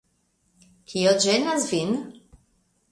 Kio ĝenas vin?